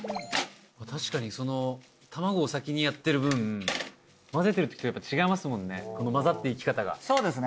確かに卵を先にやってる分混ぜてるときやっぱ違いますもんね混ざっていき方がそうですね